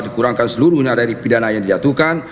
dikurangkan seluruhnya dari pidana yang dijatuhkan